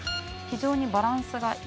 非常にバランスが。